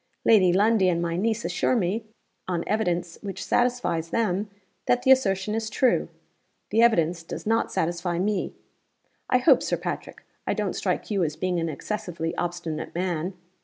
Lady Lundie and my niece assure me, on evidence which satisfies them, that the assertion is true. The evidence does not satisfy me. 'I hope, Sir Patrick, I don't strike you as being an excessively obstinate man?